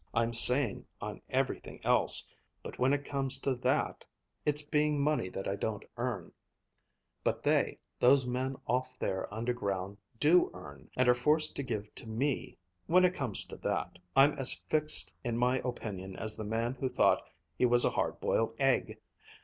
I'm sane on everything else, but when it comes to that it's being money that I don't earn, but they, those men off there underground, do earn and are forced to give to me when it comes to that, I'm as fixed in my opinion as the man who thought he was a hard boiled egg.